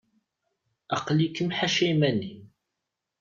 Aql-ikem ḥaca iman-im.